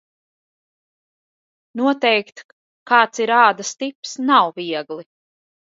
Noteikt, kāds ir ādas tips, nav viegli.